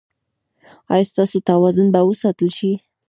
ایا ستاسو توازن به وساتل شي؟